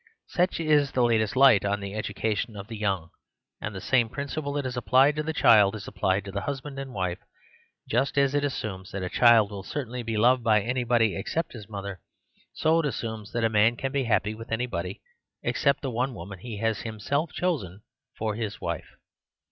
Such is the latest light on the educa tion of the young; and the same principle that is applied to the child is applied to the hus band and wife. Just as it assumes that a child will certainly be loved by anybody except his mother, so it assumes that a man can be happy with anybody except the one woman he has himself chosen for his wife.'